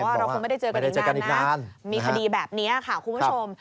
เราคงไม่ได้เจอกันอีกนานนะมีคดีแบบนี้ค่ะคุณผู้ชม